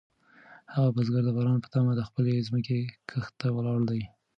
هغه بزګر د باران په تمه د خپلې ځمکې کښت ته ولاړ دی.